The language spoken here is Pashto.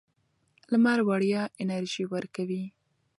لمر وړیا انرژي ورکوي.